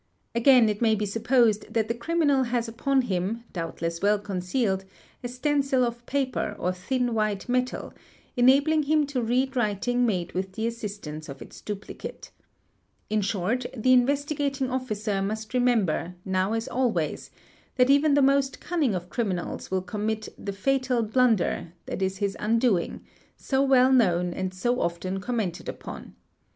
Again it may be supposed —| that the criminal has upon him, doubtless well concealed, a stencil of paper or thin white metal, enabling him to read writing made with the assistance of its duplicate. In short, the Investigating Officer must re member, now as always, that even the most cunning of criminals will commit "the fatal blunder" that is his undoing, so well known and so often commented upon.